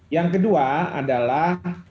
yang kedua adalah